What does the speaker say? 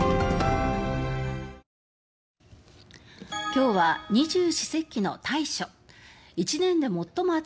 今日は二十四節気の大暑。